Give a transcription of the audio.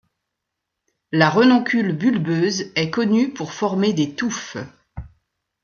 La renoncule bulbeuse est connue pour former des touffes.